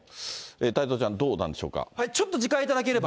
太蔵ちゃん、どうなんでしょうか？